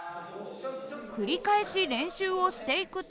繰り返し練習をしていくと。